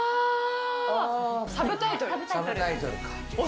サブタイトル。